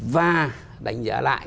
và đánh giá lại